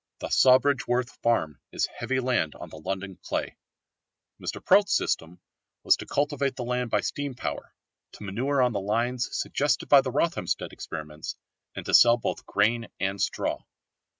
The Sawbridgeworth farm is heavy land on the London clay. Mr Prout's system was to cultivate the land by steam power, to manure on the lines suggested by the Rothamsted experiments, and to sell both grain and straw.